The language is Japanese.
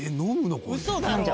これ。